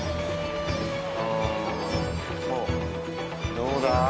どうだ？